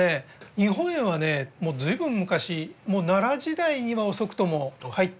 日本へはねもう随分昔奈良時代には遅くとも入ってたようでございまして。